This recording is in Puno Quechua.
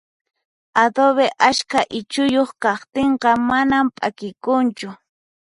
Adobe ashka ichuyuq kaqtinqa manan p'akikunchu